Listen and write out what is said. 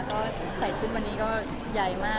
ก็ใส่ชุดวันนี้ก็ใหญ่มาก